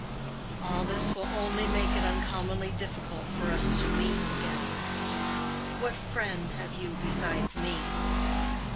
"All this will only make it uncommonly difficult for us to meet again. What friend have you besides me?"